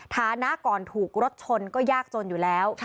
ฐานะก่อนถูกรถชนก็ยากจนอยู่แล้ว